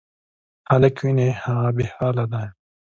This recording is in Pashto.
هلک وینې، هغه بېحاله دی.